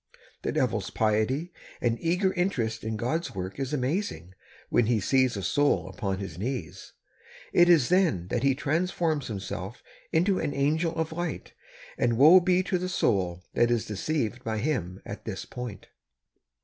The devil's piety and eager interest in God's work is amazing when he sees a soul upon its knees ! It is then that he transforms himself into an angel of light, and woe be to the soul that is deceived by him at this point